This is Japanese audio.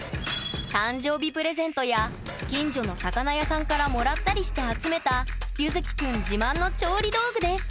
誕生日プレゼントや近所の魚屋さんからもらったりして集めたゆずきくん自慢の調理道具です。